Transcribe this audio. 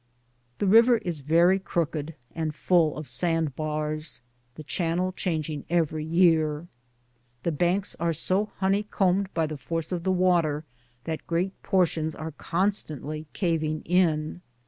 The river is Very crooked, and full of sand bars, the channel changing every year. The banks are so honeycombed by the force of the water that great por tions are constantly caving in.